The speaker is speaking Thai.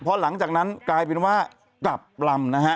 เพราะหลังจากนั้นกลายเป็นว่ากลับปรำ